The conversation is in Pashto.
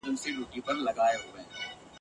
رود به هم له سمندر سره ګډیږي !.